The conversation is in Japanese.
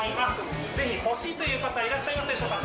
ぜひ欲しいという方いらっしゃいますでしょうか？